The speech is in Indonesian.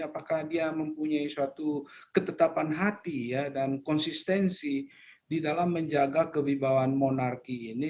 apakah dia mempunyai suatu ketetapan hati dan konsistensi di dalam menjaga kewibawaan monarki ini